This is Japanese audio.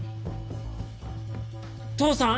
父さん！